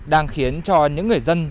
đang khiến cho những người dân